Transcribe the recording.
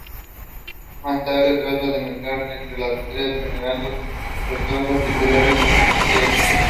Más tarde, trata de mezclarse entre las estrellas, generando desastrosos titulares en los periódicos.